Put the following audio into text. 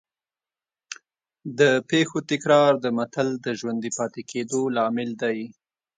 د پېښو تکرار د متل د ژوندي پاتې کېدو لامل دی